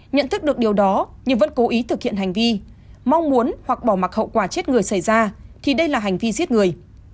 nhận thức được điều đó nhưng vẫn cố ý thực hiện hành vi mong muốn hoặc bỏ mặc hậu quả chết người xảy ra thì đây là hành vi giết người